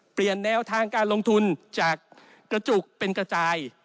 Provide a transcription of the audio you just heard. แนวทางการลงทุนจากกระจุกเป็นกระจาย